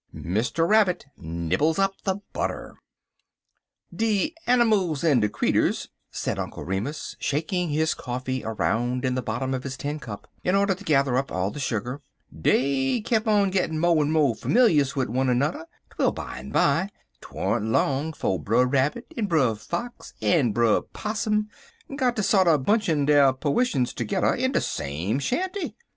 MR. RABBIT NIBBLES UP THE BUTTER '"DE animils en de creeturs," said Uncle Remus, shaking his coffee around in the bottom of his tin cup, in order to gather up all the sugar, 'dey kep' on gittin' mo' en mo' familious wid wunner nudder, twel bimeby, 'twan't long 'fo' Brer Rabbit, en Brer Fox, en Brer Possum got ter sorter bunchin' der perwishuns tergedder in de same shanty.